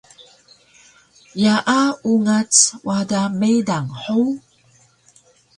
Yaa ungac wada meydang hug?